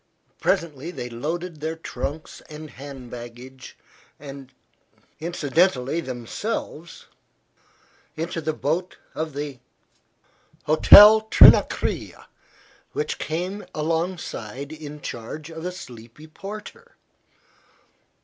Presently they had loaded their trunks and hand baggage, and incidentally themselves, into the boat of the Hotel Trinacria which came alongside in charge of a sleepy porter.